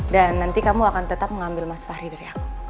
dan nanti kamu akan tetap mengambil mas ferry dari aku